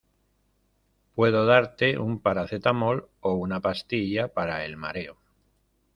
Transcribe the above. puedo darte un paracetamol o una pastilla para el mareo.